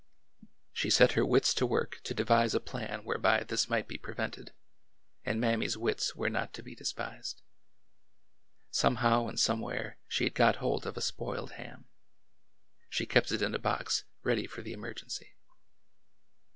She set her wits to work to devise a plan whereby this might be prevented, and Mammy's wits were not to be despised. Somehow and somewhere, she had got hold of a spoiled ham. She kept it in a box, ready for the emergency.